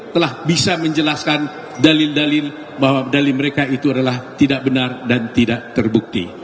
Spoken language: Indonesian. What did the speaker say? telah bisa menjelaskan dalil dalil bahwa dali mereka itu adalah tidak benar dan tidak terbukti